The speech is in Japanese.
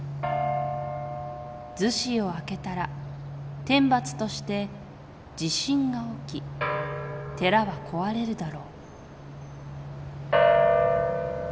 厨子を開けたら天罰として地震が起き寺は壊れるだろう」。